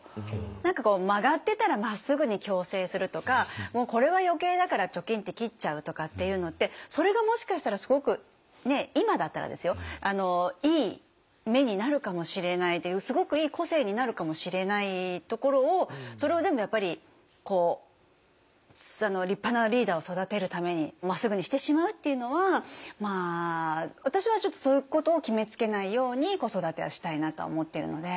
何かこう曲がってたらまっすぐに矯正するとかもうこれは余計だからチョキンって切っちゃうとかっていうのってそれがもしかしたらすごく今だったらですよいい芽になるかもしれないすごくいい個性になるかもしれないところをそれを全部立派なリーダーを育てるためにまっすぐにしてしまうっていうのは私はちょっとそういうことを決めつけないように子育てはしたいなと思っているので。